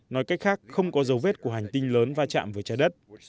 nói cách khác không có dấu vết của hành tinh lớn va chạm với trái đất